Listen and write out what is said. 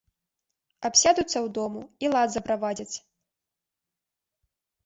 Абсядуцца ў дому і лад заправадзяць.